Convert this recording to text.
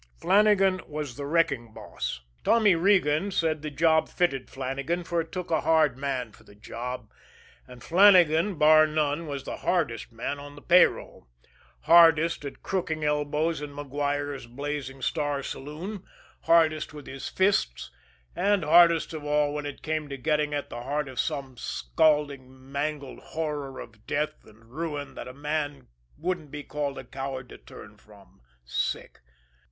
Flannagan was the wrecking boss. Tommy Regan said the job fitted Flannagan, for it took a hard man for the job, and Flannagan, bar none, was the hardest man on the payroll; hardest at crooking elbows in MacGuire's Blazing Star Saloon, hardest with his fists, and hardest of all when it came to getting at the heart of some scalding, mangled horror of death and ruin that a man wouldn't be called a coward to turn from sick.